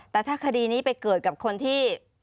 แต่ถ้าคดีนี้ไปเกิดกับคนที่